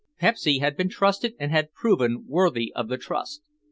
Pepsy had been trusted and had proven worthy of the trust.